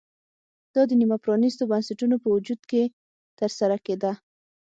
دا د نیمه پرانېستو بنسټونو په وجود کې ترسره کېده